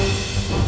aku mau kemana